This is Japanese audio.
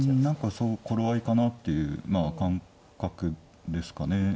何か頃合いかなっていう感覚ですかね。